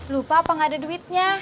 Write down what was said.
lupa apa nggak ada duitnya